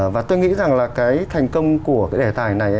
và tôi nghĩ rằng là thành công của đề tài này